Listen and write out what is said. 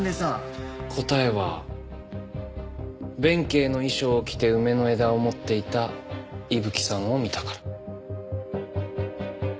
答えは弁慶の衣装を着て梅の枝を持っていた伊吹さんを見たから。